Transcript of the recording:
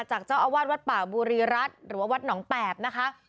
เจ้าอาวาสวัดป่าบุรีรัฐหรือว่าวัดหนองแปบนะคะ